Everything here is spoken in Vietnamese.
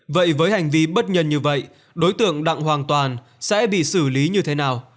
vậy với hành vi bất nhân như vậy đối tượng đặng hoàn toàn sẽ bị xử lý như thế nào